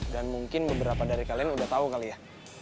dan mungkin beberapa dari kalian udah tahu kali ya